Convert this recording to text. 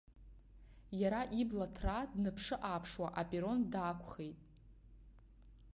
Иара ибла ҭраа, днаԥшы-ааԥшуа аперрон даақәхеит.